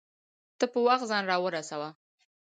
ته په وخت ځان راورسوه